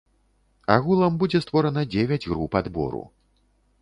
Агулам будзе створана дзевяць груп адбору.